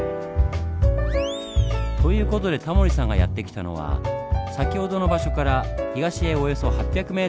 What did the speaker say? という事でタモリさんがやって来たのは先ほどの場所から東へおよそ８００ｍ。